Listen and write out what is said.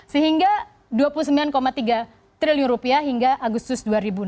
sehingga dua puluh sembilan tiga triliun rupiah hingga agustus dua ribu enam belas